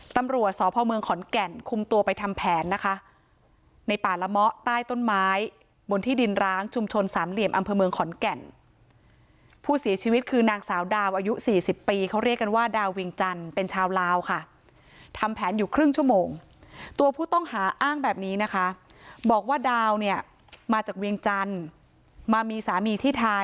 ตำรวจสพเมืองขอนแก่นคุมตัวไปทำแผนนะคะในป่าละเมาะใต้ต้นไม้บนที่ดินร้างชุมชนสามเหลี่ยมอำเภอเมืองขอนแก่นผู้เสียชีวิตคือนางสาวดาวอายุสี่สิบปีเขาเรียกกันว่าดาวเวียงจันทร์เป็นชาวลาวค่ะทำแผนอยู่ครึ่งชั่วโมงตัวผู้ต้องหาอ้างแบบนี้นะคะบอกว่าดาวเนี่ยมาจากเวียงจันทร์มามีสามีที่ทา